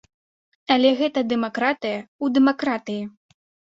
Але гэта дэмакратыя ў дэмакратыі.